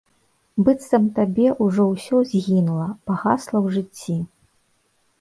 Быццам табе ўжо ўсё згінула, пагасла ў жыцці.